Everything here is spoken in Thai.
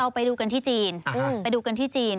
ไปดูกันที่จีน